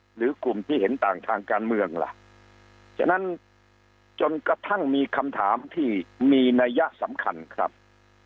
หรือกลุ่มที่เห็นต่างทางการเมืองล่ะฉะนั้นจนกระทั่งมีคำถามที่มีนัยสำคัญครับ